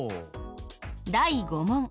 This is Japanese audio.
第５問。